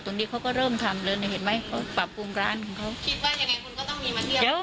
ตรงนี้เขาก็เริ่มทำเลยนะเห็นไหมปรับปรุงร้านของเขา